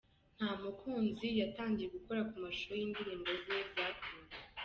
Ntamukunzi yatangiye gukora ku mashusho y’indirimbo ze zakunzwe.